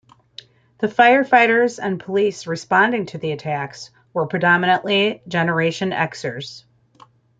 The firefighters and police responding to the attacks were predominantly Generation Xers.